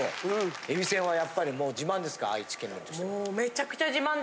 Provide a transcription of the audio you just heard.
えびせんはやっぱりもう自慢ですか愛知県民としては？